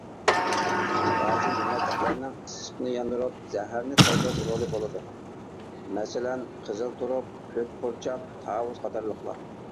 بەزى يېمەكلىكلەرنىڭ ئىسسىقنى ياندۇرۇپ، زەھەرنى تازىلاش رولى بولىدۇ، مەسىلەن قىزىل تۇرۇپ، كۆك پۇرچاق، تاۋۇز قاتارلىقلار.